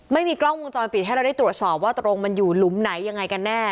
ไม่มีกล้องวงจรปิดให้เราได้ตรวจสอบว่าตรงมันอยู่หลุมไหนยังไงกันแน่